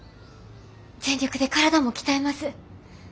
全力で体も鍛えます。